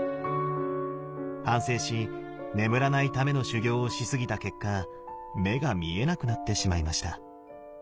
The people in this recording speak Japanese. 反省し眠らないための修行をしすぎた結果目が見えなくなってしまいました。